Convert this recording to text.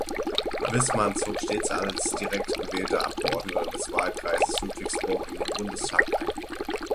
Wissmann zog stets als direkt gewählter Abgeordneter des Wahlkreises Ludwigsburg in den Bundestag ein.